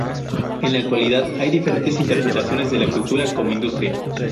En la actualidad, hay diferentes interpretaciones de la cultura como industria.